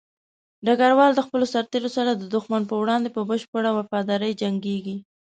ډګروال د خپلو سرتېرو سره د دښمن په وړاندې په بشپړه وفاداري جنګيږي.